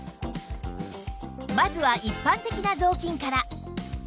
まずは一般的な雑巾から